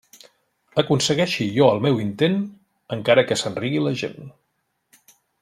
Aconsegueixi jo el meu intent, encara que se'n rigui la gent.